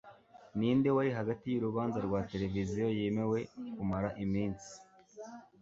Ninde Wari Hagati Yurubanza rwa Televiziyo Yemewe Kumara iminsi